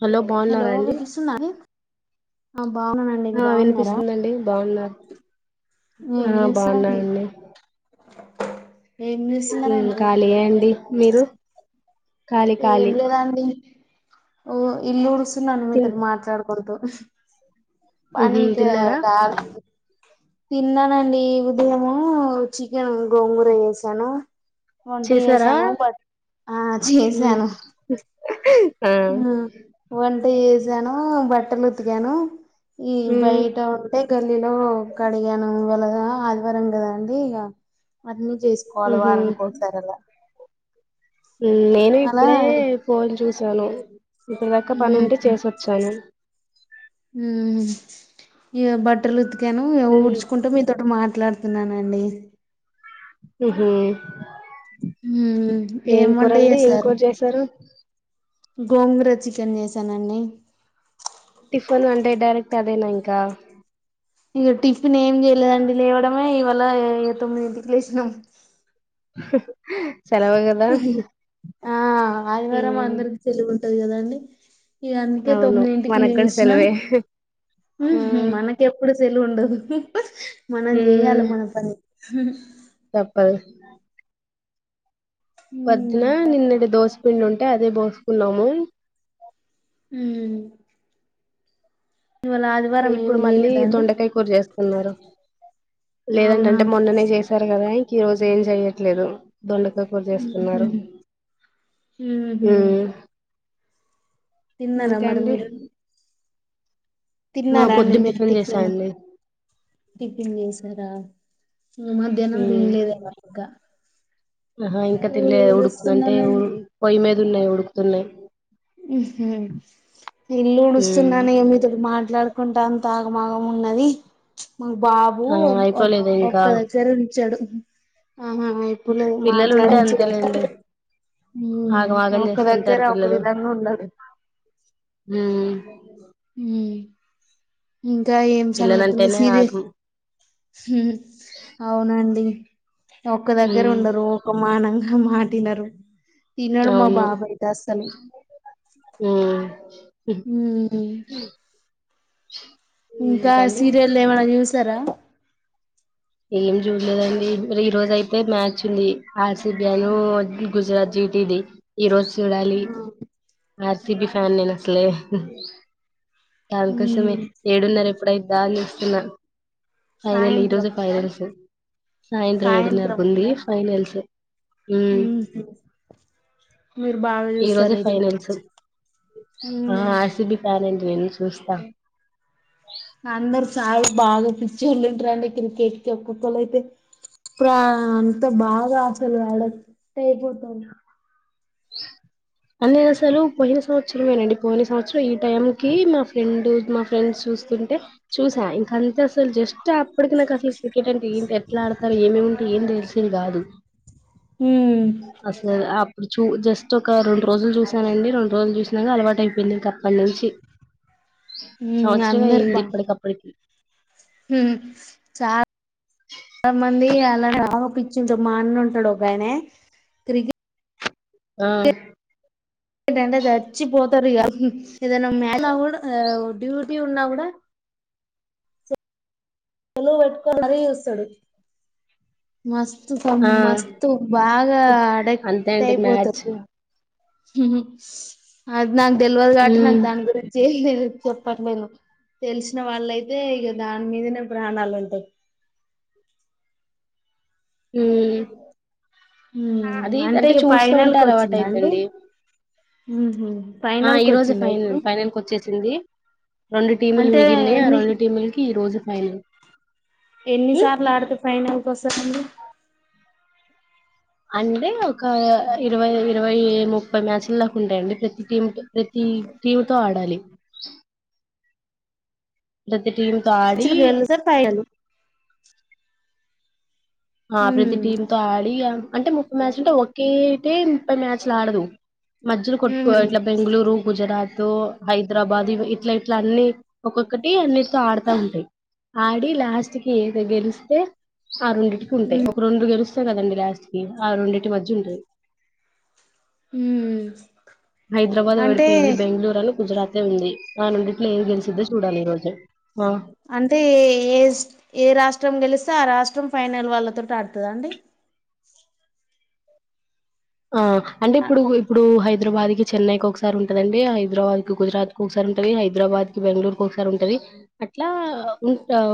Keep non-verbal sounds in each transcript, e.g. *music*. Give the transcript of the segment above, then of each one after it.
Hello బాగున్నారాండి అ ఆ వినిపిస్తుంది అండి ఏం బాగున్నారా ఆ చేస్తారండి బాగున్నండి ఏం చేస్తున్నారండి ఖళీయే అండి మీరు ఖాళీ ఏం ఖాళీ లేదా అండి ఓ ఇల్లుడ్సు న్నాను మీతో తిన్ మాట్లాడుకుంటు ఆ ఉహు పనిక తిన్నారా *unintelligible* తిన్నానండి ఉదయము చికెన్ గోంగూర చేసాను వంట చేసారా చేసాను బట్ చేస్ ను ఉమ్ ఆ చేసాను బట్టలు ఉతికాను ఈ ఉమ్ బయట ఉంటే గల్లీలో కడిగాను ఇవళ ఆ అదివారం గదండి ఇగ అన్నీ చేసుకోవాలి ఉహు వారానికి ఒకసారి అలా నేను అలా ఇప్పుడే ఫోన్ చూసాను ఇప్పుడదకా పని ఉంటే చేసొచ్చాను హు ఇగా బట్టల్ ఉత్ కను ఉమ్ ఊడ్చుకుంటూ మీతోటి మా మాట్లాడుతున్నానండి హు హు ఏం కూరండి ఏం కూర చేసారు గోంగుర చికెన్ చేసానండి టిఫన్ అం అదే డైరెక్ట్ అదేనా ఇంకా ఇక టీఫ్ ఫిన్ ఏం చేయలేదండి లేవడమే ఇవ ఎ తొమ్మిదింటికి లేసినం సెలవు కదా ఆ ఆదివారమా ఉమ్ అందరీకి సేలవు ఉం టది కదండి ఇగ అంతె అవును తొమ్మిదింటికి మనకు కూడా లేసిన సెలవే ఆ మనకెప్పుడు సెలవు ఉండదు. మనం చేయ్యాలి హ్మ్ మన పని తప్పదు పొద్దున్న ఉమ్ నిన్నటి దోస పిిండిఉంటు అంటే అది బోక్స్కున్నాము అ ఇప్పుడు మళ్ళీ చేయలేదా అండి దొండకాయ కూర చేస్తున్నారు లేదంట అవునా అంటే మొన్ననే చేసారు కదా ఈ రోజు ఏం చెయట్లేదు దొండకాయ్ కూరా ఉహు చేస్తున్నారు ఉహు తిన్నారా ఇంకా మరి అండి మీరు ఆ తిన్నారా అండి పొద్దున్న మీరు చేసా టిఫిన్ అండి టిఫిన్ చేసారా మధ్యాహ్నం హ్మ్ దాన్ఇంలేద ఇంకా ఆహా ఇంకా తింలే ఉడుకుంద అంటే ఊడుస్తున్నానండి పొయ్య మీద న్నాయి ఉడుకుతున్నాయి హ ఇల్లు హ్మ్ ఉడుస్తున్నానే ఎమొ నీతో మాట్లాడు కుంటాంతా ఆగమ్ ఆగమ్ ఉన్నది మాకు బాబు ఆ అయిపోలేదు ఇంకా ఒక్క దగ్గర ఉంచాడు అ ఆహా ఇప్పుడు నేను పిల్లలు ఉంటే మాట్లాడించ అంతేలేండి ఆగం ఆగం ఒక దగ్గర చేస్తుంటారు ఒక అ ఉన్నదు హ అ ఇంకా ఏం సంగతులు పిల్లలంటేనే సీరే ఆగం అవునండి ఒక్క దగ్గర ఉమ్ ఉండరు ఒక మానం మాటి ఇనరు అవును హ వ ఇంకా ఇంకండి సీరియల్ ఏమైనా చూసారా ఏం చూడలేదండి ఈ రోజ అయితే మ్యాచ్ ఉంది ఆర్సిబిఐ ను గుజరాత్ జీట్ ఇది ఈరోోజు చూడాలి ఆ ఆ కిటి ఫేమనిస్ లే దంకోసమే ఉమ్ ఏడున్నారు ఎప్పుడైద్దా అని చస్తున్నా ఫైనల్ ఈ సాయంత్రం రోజు ఉందా ఫైనల్స్ సాయంత్రం ఏడున్నరకు ఉంది ఫైనల్స్ ఉహు మీరు బాగా ఈ చూస్తారు రోజే అయితే ఫైనల్స్ మ్యాచ్ ఉమ్ ఆర్ సి బి పాలం నేను చూస్తా అందరు చాల బాగా పిచ్చోళ్ళుంటారండి క్రికెట్ కి ఒక్కొక్కళ్ళ అయితే ప్రా అంతా బాగా అసలు వాడ అయిపోత అంటే అసలు పోయిన సంవత్సరమేనండి పోయిన సంవత్సరం ఈ టైం కి మా ఫ్రెండ్ మా ఫ్రెండ్స్ చూస్తుంటే చూసా ఇంక అంతే అసలు జస్ట్ అప్పటికి నాకు అసలు క్రికెట్ అంటే ఏంటి ఎట్లా ఆడతారు ఏముంటాయి ఏం తెలిసేది కాదు ఉమ్ మ్మ్ అసలు ఆ చూ జస్ట్ ఒక రెండు రోజులు చూసానండి రెండు రోజులు చూసినాక అలవాటు అయిపోయింది ఇక అప్పటి నుంచి ఉమ్ సంవత్సరమే అయింది ఇప్పటికప్పటికి హ్మ్మ్ చా లా మంది అలా *inaudible* చింటు మా అన్న ఉంటాడు ఒకయనే తిరిగి ఆ యనంటే చచ్చిపో తారు ఇగ ఏదైన మీ అన్న కూడా డ్యూటీ ఉన్నా కూడా విలో పెట్టుకొని మరీ చూస్తాడు మాస్ ఆ మస్తు బాగా అంతే అడక్ట్ అండి అయిపోతవ్ మ్యాచ్ అద్ నాకు తెల్వదు కాబట్టి ఉమ్ నాకు దాని గురించి ఏం తెల్వదు చెప్పట్లేదు తెలిసిన వాళ్ళయితే ఇక దాని మీదనే ప్రాణాలుంటాయ్ హ్మ్మ్ ఉమ్ అది అంటే ఇక చూస్తా ఫైనల్ ఉంటే కి అలవాటు వచ్చిందండి అయిపోయింది ఉహు ఆ ఫైనల్ కి ఈ రోజు వచ్చిందా ఫైనల్ ఇప్పుడు ఫైనల్ కి వచ్చేసింది రెండు టీములు అంటే మిగిలినాయ్ ఆ ఎన్ని రెండు టీములకి ఈ రోజు ఐదు ఎన్ని సార్లు ఆడుతే ఫైనల్ వస్తది అంటే ఒక ఇరవై ఇరవై ముప్పై మ్యాచ్ల దాక ఉంటాయండి ప్రతి టీమ్ ప్రతి టీమ్ తో ఆడాలి ప్రతి టీమ్ తో ఆడి చిలు గెలిస్తే టైయరు ఆ ప్రతి టీమ్ తో ఆడి ఇగ అంటే ముప్పై మ్యాచ్లు ఒకే అయితే ముప్పై మ్యాచ్లు ఆడదు మధ్యలో ఉమ్ కొట్టుకోవ ఇట్లా బెంగళూరు గుజరాత్ తు హైదరాబాద్ ఇట్లిట్ల అన్ని ఒక్కొక్కటి అన్నిటితో ఆడతాంటాయ్ ఆడి లాస్ట్ కి గెలిస్తే అవి ఉంటాయి ఉమ్ ఒక రెండు గెలిస్ తే కదండి లాస్ట్ కి ఆ రెండింటి మధ్య ఉంటాయి ఉమ్ హైదరాబాద్ అంటే విడిపోయింది బెంగళూరు అని గుజరాత్ అయి ఉంది ఆ నుండిట్లో ఏమి గెలిసిద్దో చూడాలి ఈ రోజు ఆ అంటే ఏ ఏ రాష్ట్రం గెలిస్తే ఆ రాష్ట్రం ఫైనల్ వాళ్ళతో ఆడుతుందా అండి ఆ అంటే ఇప్పుడు ఇప్పుడు హైదరాబాద్ి చెన్నైకి ఒకసారి ఉంటదండి హైదరాబాద్ కి గుజరాత్ కి ఒకసారి ఉంటంది హైదరాబాద్ క బెంగళూరు క ఒకసారి ఉంటది అట్లా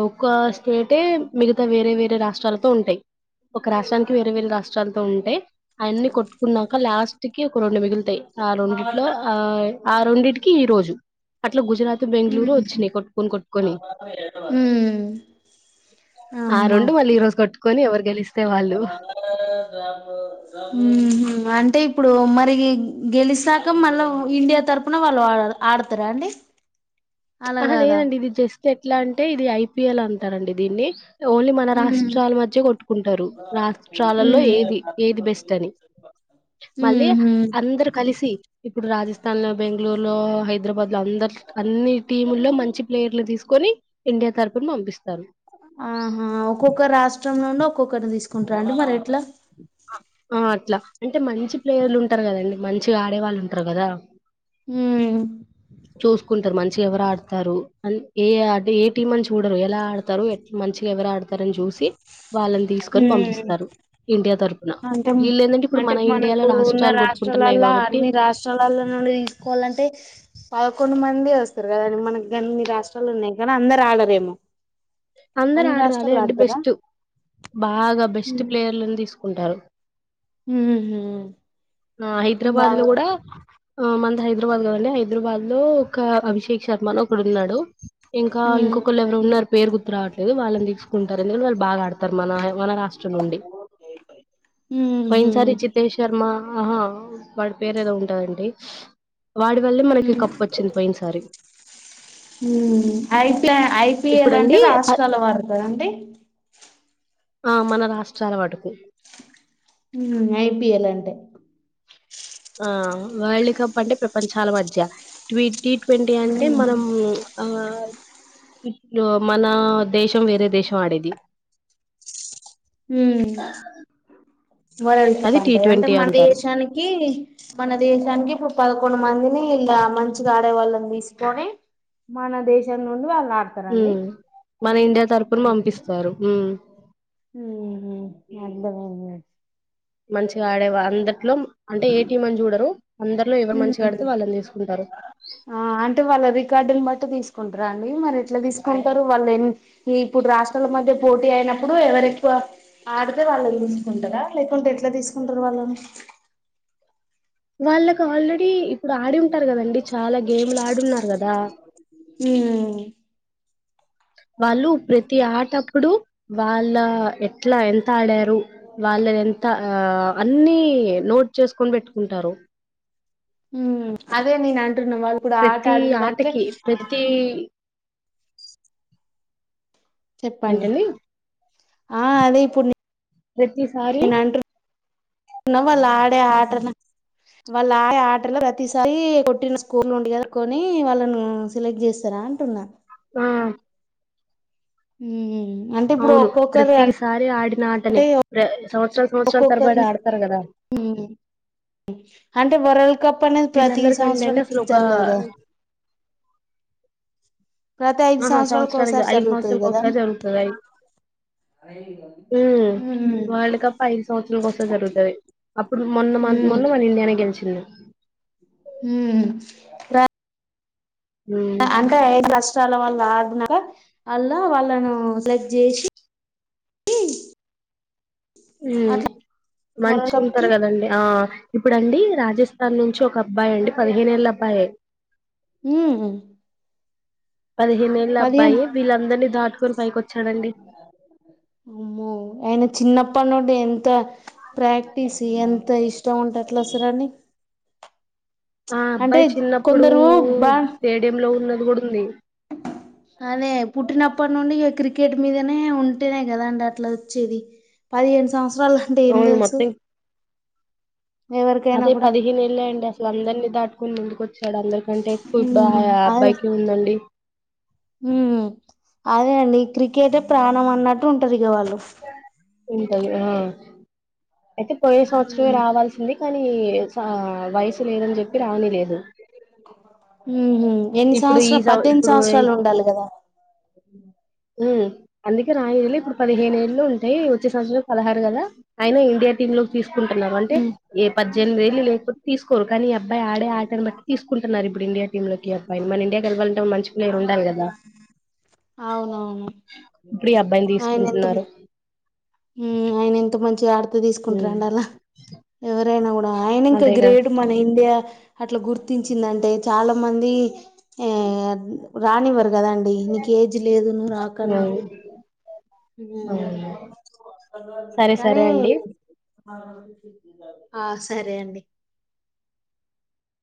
ఒక్క స్ట అే మిగతా వేరే వేరే రాష్ట్రాలతో ఉంటాయి ఒక రాష్ట్రానికి వేరే వేరే రాష్ట్రాలతో ఉంటే అయన్నిీ కొ కొట్కున్నాక లాస్ట్ కి ఒక రెండు మి ాయి ఆ రెండిట్లో ఆ ఆ రెండింటికి ఈ రోజు అట్లా గుజరాత్ బెంగళూరు వచ్చినాయి కొట్టుకొని కొట్టుకొని ఉమ్ ఆ రెండు మళ్ళీ ఈ రోజు కట్టుకు కొని ఎరు గె అ అంటే ఇప్పుడు మరి గెలిస్తాక మళ్ళా ఇండియా తరఫున వాళ్ళు ఆడతారా అండి అలా ఆహ కాదా లేదండి ఇది జస్ట్ ఎట్లా అంటే ఇది అయి పిియలా అంటారండి దీన్ని ఓన్లీ మన ఉమ్ రాష్ట్రాల మధ్య కొట్టుకుంటారు రాష్ట్రాలలో ఏది ఏది బెస్ట్ అని ఉమ్ మళ్ళీ ఉహు అందరు కలిసి ఇప్పుడు రాజస్థా తనులో బెంగళూరు లో హైదరాబాద్ ఇ అందరు అన్నిీ టీముల్లో మంచి ప్లేయర్లు తీసుకుని ఇండియా తరపుున పంపిస్తంది ఆహా ఒక్కొక్క రాష్ట ండి ఒక్కొక్కరిని తీసుకుంటార అండి మరి ఎట్లా ఆ అట్లా అంటే మంచి ప్లేయర్లు ఉంటారు కదండి మంచిగా ఆడే వాళ్ళు ఉంటారు కదా హ చూసుకుంటారు మంచిగా ఎవరు ఆడతారు ఏ అంటే ఏ టీం అని చూడరు ఎలా ఆడతారు ఎ మంచిగా ఎవరు ఆడతారని చూసి వాళ్ళని తీసుకొని ఉమ్ పంపిస్తారు ఇండియా ద్వారా అంటే అంటే మనకు ఉన్న రాష్ట్రాలు కొట్టుకుంటున్నాయి రాష్ట్రాలలో కాబట్టి అన్ని రాష్ట్రాలలో నుండి తీసుకోవాలంటే పదకొండు మంది వస్తారు కదాడి మనకు అన్ని రాష్ట్రాలు ఉన్నాయి కానీ అందరు ఆడరేమో అందరు అన్ని ఆడరాలే రాష్ట్రాలు అండి ఆడతారా బెస్ట్ బాగా బెస్ట్ హ్మ్ ప్లేయర్ తీసుకు ఉంటారు ఊహూ ఆ హైదరాబాద్ లో బాగా కూడా మంత హైదరాబాద్ కదండి హైద హైదరాబాద్ లో ఒక అభిషేక్ శర్మ అని ఒకడు ఉన్నాడు ఇంకా ఇంకొకళ్ళు ఎవరో ఉన్నారు పేరు గు ర్తు రావట్లేదు వాళ్ళని తీసుకుంటారని వాళ్ బాగా ఆడతారు మన మన రాష్ట్రం నుండి పోయిన ఉహు సారి జితేష్ శర్మ ఆ హా వాడి పేరు ఏదో ఉంటదండి వాడి వల్లే మనకి కప్పు వచ్చింది పోయినసారి. మ్మ్ ఐప్లే ఐ పి ఎల్ ఇప్పుడండి అంటే ప రాష్ ష్టాలవారు *unintelligible* ఆ మన రాష్ట్రాల వాటికి మ్మ్ ఐ పి ఎల్ అంటే ఆ వరల్డ్ కప్ అంటే ప్రపంచాల మధ్య ట్వెంటి ట్వెంటి అంటే హ్మ్ మనము ఆ ఇప్పుడు మనా దేశం వేరే దేశం ఆడేది. హ్మ్ వరల్డ్ కప్ అది టీ అంటే అంటే ట్వంటీ మన అంటారు దేశానికి, మన దేశానికి ఇప్పుడు పదకొండు మందిని ఇలా మంచిగా ఆడే వాళ్ళని తీసుకొని మన దేశం నుండి వాళ్ మ్మ్ మన ఇండియా తరపున పంపిస్తారు మ్మ్ మ్మ్ హు అర్థమైంది మంచిగా ఆడేవా అందర్ అంటే ఏ టీం ని చూడరు అందర్ ఆ అంటే వాళ్ళ రికార్డ్ నీ బట్టి తీసుకుంటారా అండి మరి ఎట్లా తీసుకుంటారు వాళ్ళు ఏం ఇప్పుడు రాష్ట్రాల మధ్య పోటీ అయినప్పుడు ఎవరు ఎక్కువ ఆడితే వాళ్ళని తీసుకుంటారా లేకుంటే ఎట్లా తీసుకుంటారు వాళ్ళను. వాళ్ళకి ఆల్రెడీ ఇప్పుడు ఆడిం ఉంటరు కదండి చాలా గేములు ఆడి ఉన్నారు కద్ ద హ్మూ వాళ్ళు ప్రతి ఆటప్పుడు వాళ్ళ ఎట్లా ఎంత ఆడారు వాళ్ళ ఎంత ఆ అన్నీ నోట్ చేసుకొని పెట్టుకుంటరు. మ్మ్ అదే నేను అంటున్నా వాళ్ళు కూడ ఆట ప్రతి ఆడిన దాంట్లో ఆటకి ప్రతి చెప్పండి ఏంటండి ఆ అదే ఇప్పుడు ప్రతిసారి నేన్ అంటు వాళ్ళు ఆ డే ఆటన వాళ్ళు ఆడే ఆటలో ప్రతిసారి కొట్టిన స్కోర్ నుండి కనుక్కోని వాళ్ళను సెలెక్ట్ చేస్తారా అంటున్నా. ఆ హ్మ్ అవును ప్రతీ సారి ఆడి న ఆటనే అంటే ప్ర సంవత్సరాలు సంవత్సరాల తరబడి ఒక్కొక్కరిని ఆడతారు కదా అంటే వరల్డ్ కప్ అనేది ప్రతి వీళ్ళందరికంటే అండి సంవత్సరానికి అసలు ఒక జరగదు కద ఆహా సంవత్సరానికి ఐదు జరుగుతుంది సంవత్సరాలనకి కదా ఒకసారి జరుగుతుంది హమ్ ఉమ్, అ వరల్డ్ కప్ ఐదు సంవత్సరాలక ఒకసారి జరుగుతుంది అప్పుడు మొన్న మ ఉమ్, మొన్న మన ఇండియానే గెలిచింది హమ్ ప్ర హ్మ్ అంటే ఐదు రాష్ట్రాల వాళ్లు ఆడి నాక అలా వాళ్ళను సెలెక్ట్ చేసి హమ్ అట్లా మంచి వరల్డ్ కప్ ఉంటారు కి కదండి ఆ ఎప్పుడండి రాజస్థాన్ నుంచి ఒక అబ్బాయి అండి పదిహేనేళ్ళ అబ్బాయ హమ్ పదిహేనేళ్ళ అబ్బాయి వీళ్ళందరినీ దాటి ఫైవ్ కోట్ అమో ఆయన చిన్న ప్పనుడిన్ంత ప్రాక్టీస్ ఎంత ఇష్టం ఉంటె అట్లా వస్తారు అండి ఆ అబ్బాయి చిన్నప్పుడు కొందరు బా స్టేడియ లో ఉన్నది కూడా ఉంది అప్పటి నుండి ఇ క్రికెట్ మీదనే ఉంటేనేయి కదాండి అట్ల వచ్చేది పదిహేను సంవత్సరం సరాల అంటే ఏం అవును తెలుసు మొత్తం ఎవరికైనా అదే కూడా పదిహేను ఏళ్ళ అండి అసలు అందరినీ దాటుకొని ముందుక వచ్చ చడ అంటే ఎక్కువ ఇప్పుడు ఆ ఉమ్ అబ్బాయికి ఉందండి హమ్ అదే అండి క్రికెటే ప్రాణం అన్నట్టు ఉంటాది ఇక వాళ్ళు కి ఉఫ్ ఇంక ఆ అయితే పోయి సంవత్సరమే రావాల్సింది కానీ వయసు లేదని చెప్పి రానివ్వ లేదు ఉ హమ్ ఎన్ని ఈ సంవత్సరాలు సం పద్దెనిమిది ఇప్పుడు సంవత్సరాలు ఉండలి కదా హమ్ అందుకే రాయళ్లు ఇప్పుడు పదిహేనుేళ్ళు ఉంటాయి వచ్చే సంవత్సరం పదహారు కదా ఆయన ఇండియా టీమ్ లోకి తీసు తీసుకుంటున్నాం అంటే ఉమ్, ఏ పద్దెనిమిదిళ్లు లేకపోతే తీసుకోరు కానీ అబ్బాయి ఆడే ఆటని బట్టి తీసుకుంటున్నారు ఇప్పుడు ఇండియా టీమ్ లోకి మన ఇండియా గెలవాలి అంటే ఒక మంచి ప్లేయర్ కదా అవునవును ఇప్పుడు ఈ అబ్బాయిని తీసుకుంటున్నారు హమ్ అయినెంత ంచి ఆ ఉమ్ తీసుకుంటారం అలా ఎవరైనా ఆయన ఇంకా అదేగా గ్రేట్ మన ఇండియా అట్లా గుర్తించిందంటే చాలా మంది ఆ రానిి వర కదండి నీక ఏజ్ లేదు నువ్వు ఉమ్, రాకనంట అవును సరే కానీ సరే అండి ఆ సరే అండి